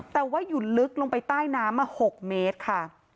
แต่ว่าอยู่ลึกลงไปใต้น้ำมา๖เมตรค่ะ